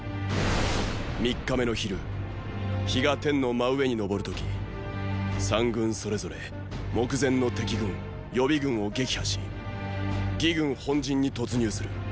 三日目の昼日が天の真上に昇る刻三軍それぞれ目前の敵軍・予備軍を撃破し魏軍本陣に突入する。